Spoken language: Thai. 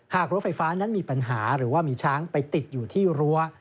รั้วไฟฟ้านั้นมีปัญหาหรือว่ามีช้างไปติดอยู่ที่รั้ว